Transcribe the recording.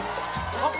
あっ！